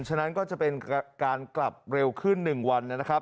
ฉะนั้นก็จะเป็นการกลับเร็วขึ้น๑วันนะครับ